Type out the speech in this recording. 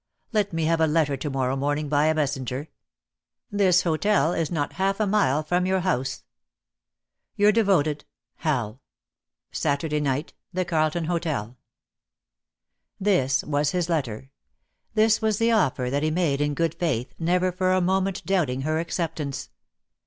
Let me have a letter to morrow morning by a messenger. This hotel is not half a mile from your house. "Your devoted '■:■■■■,.,. "Hal. "Saturday niglit. ' "The Carlton Hotel." This was his letter. This was the offer that he made in good faith, never for a moment doubting her acceptance.